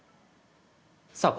さあ